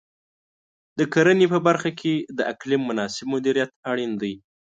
د کرنې په برخه کې د اقلیم مناسب مدیریت اړین دی.